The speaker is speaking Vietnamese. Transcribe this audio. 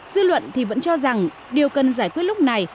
dư luận thì vẫn cho rằng điều cần giải quyết lúc này